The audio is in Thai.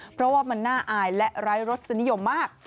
เพราะว่ามันน่าอายและไร้รสนิยมมาก